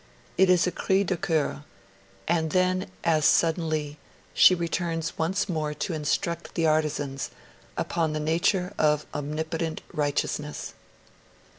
It is a cri du coeur; and then, as suddenly, she returns once more to instruct the artisans upon the nature of Omnipotent Righteousness.